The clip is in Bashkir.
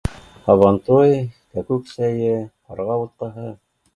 Һабантуй, кәкүк сәйе, ҡарға бутҡаһы